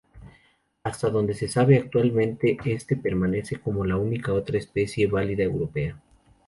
Hasta donde se sabe actualmente, este permanece como la única otra especie válida europea.